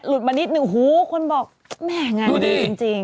หลุดมานิดหนึ่งโฮคนบอกแหมง่ายดีจริง